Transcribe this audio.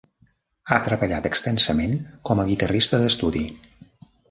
Ha treballat extensament com a guitarrista d'estudi.